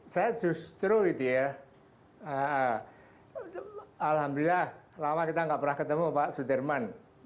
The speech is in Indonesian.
saya justru alhamdulillah lama kita tidak pernah ketemu pak sudirman